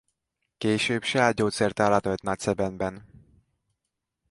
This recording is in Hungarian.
Később saját gyógyszertárat vett Nagyszebenben.